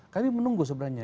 kami menunggu sebenarnya